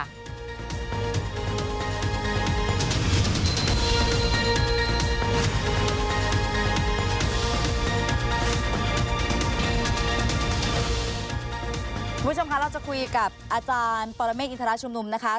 คุณผู้ชมคะเราจะคุยกับอาจารย์ปรเมฆอินทราชุมนุมนะคะ